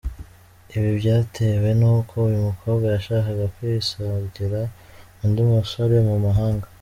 Ibi byatewe n’uko uyu mukobwa yashakaga kwisangira undi musore mu mahanga.